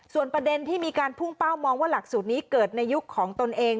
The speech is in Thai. ส่วนประเด็นที่มีการพุ่งเป้ามองว่าหลักสูตรนี้เกิดในยุคของตนเอง